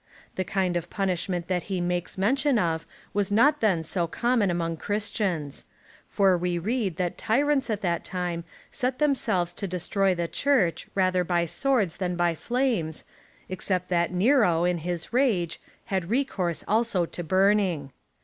The kind of punishment that he makes mention of was not then so common among Christians ; for we read that tyrants, at that time, set themselves to de stroy the Church, rather by swords than by flames,^ except that Nero, in his rage, had recourse, also, to burning.